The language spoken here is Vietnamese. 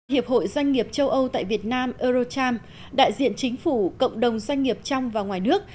hiệp hội doanh nghiệp châu âu tại việt nam eurocharm đại diện chính phủ cộng đồng doanh nghiệp trong và ngoài nước